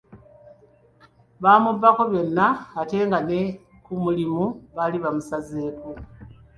Baamubbako byonna ate nga ne ku mulimu baali bamusazeeko.